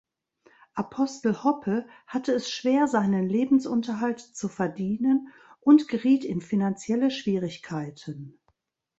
Apostel Hoppe hatte es schwer, seinen Lebensunterhalt zu verdienen, und geriet in finanzielle Schwierigkeiten.